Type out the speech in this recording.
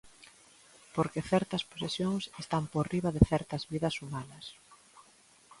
Porque certas posesións están por riba de certas vidas humanas.